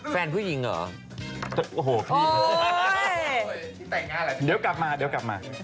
แฟนผู้หญิงเหรอ